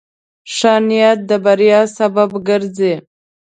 ښه نیت د بریا سبب ګرځي.